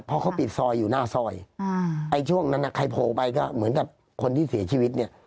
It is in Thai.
เพราะเขาปิดซอยอยู่หน้าซอยไอ้ช่วงนั้นใครโผล่ไปก็เหมือนกับคนที่เสียชีวิตเนี่ย